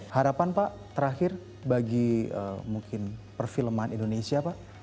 harapan pak terakhir bagi mungkin perfilman indonesia pak